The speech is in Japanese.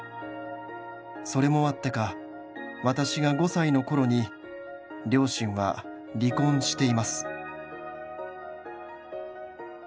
「それもあってか私が５才の頃に両親は離婚しています」